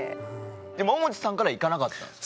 ももちさんからいかなかったんですか？